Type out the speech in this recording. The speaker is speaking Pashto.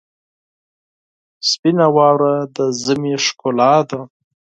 سپینه واوره د ژمي ښکلا ده.